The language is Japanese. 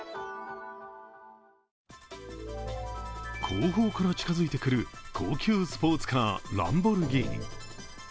後方から近づいてくる高級スポーツカー、ランボルギーニ。